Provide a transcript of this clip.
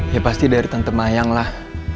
ya pasti dari tante mayang lah